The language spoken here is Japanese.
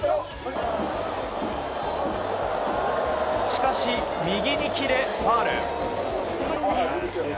しかし、右に切れファウル。